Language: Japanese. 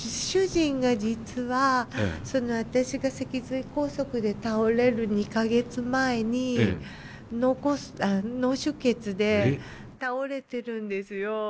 主人が実は私が脊髄梗塞で倒れる２か月前に脳出血で倒れてるんですよ。